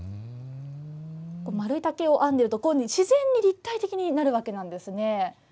丸い竹を編んでいると、自然に立体的になるわけなんですね。